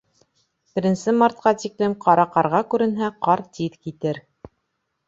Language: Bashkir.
Беренсе мартҡа тиклем ҡара ҡарға күренһә, ҡар тиҙ китер.